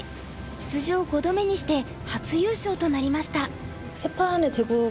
出場５度目にして初優勝となりました。